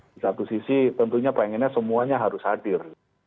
di satu sisi tentunya pengennya semuanya harus hadir